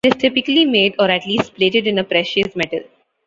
It is typically made, or at least plated, in a precious metal.